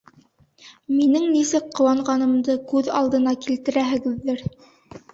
Минең нисек ҡыуанғанымды күҙ алдына килтерәһегеҙҙер.